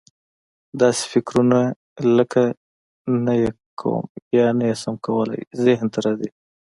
داسې فکرونه لکه: نه یې کوم یا نه یې شم کولای ذهن ته راځي.